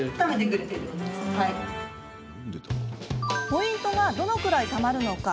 ポイントがどのくらいたまるのか？